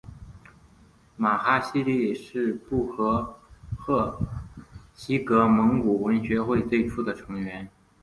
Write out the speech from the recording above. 玛哈希力是布和贺喜格蒙古文学会最初的成员。